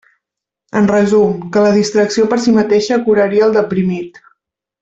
En resum, que la distracció per si mateixa curaria el deprimit.